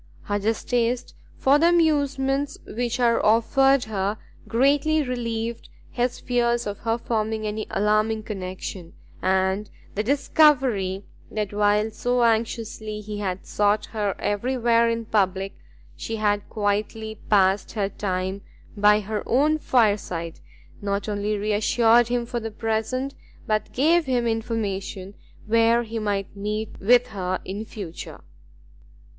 Her distaste for the amusements which were offered her greatly relieved his fears of her forming any alarming connection, and the discovery that while so anxiously he had sought her every where in public, she had quietly passed her time by her own fireside, not only re assured him for the present, but gave him information where he might meet with her in future.